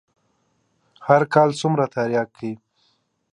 هر کال څومره ترياک کيي.